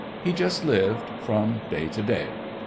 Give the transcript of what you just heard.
He just lived from day to day.